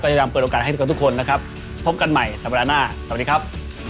จะนำเปิดโอกาสให้ทุกคนนะครับพบกันใหม่สัปดาห์หน้าสวัสดีครับ